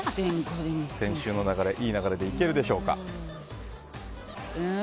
先週の流れからいい流れでいけるでしょうか。